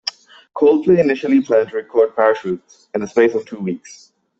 Coldplay initially planned to record "Parachutes" in the space of two weeks.